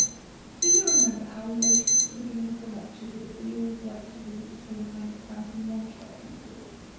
Do you remember how we noticed at the beginning of the lecture that a bee always likes to visit the same kind of plant in one journey?